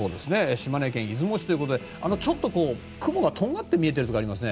島根県出雲市ということでちょっと雲がとんがって見えているところがありますね。